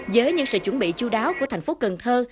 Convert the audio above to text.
với những sự chuẩn bị chú đáo của thành phố cần thơ